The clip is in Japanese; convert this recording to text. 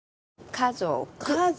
家族。